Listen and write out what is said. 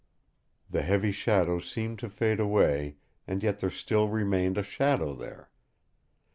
The heavy shadow seemed to fade away, and yet there still remained a shadow there.